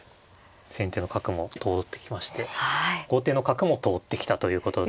先手の角も通ってきまして後手の角も通ってきたということで。